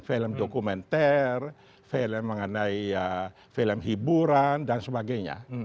film dokumenter film mengenai film hiburan dan sebagainya